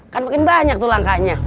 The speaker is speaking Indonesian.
kan makin banyak tuh langkahnya